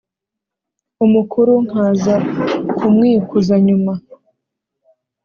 umukuru nkaza kumwikuza nyuma